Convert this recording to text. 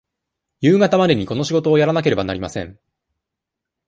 夕方までにこの仕事をやらなければなりません。